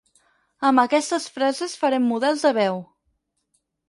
Amb aquestes frases farem models de veu.